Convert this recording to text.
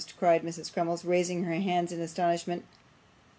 cried Mrs. Crummles, raising her hands in astonishment.